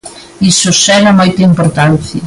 Iso xera moita importancia.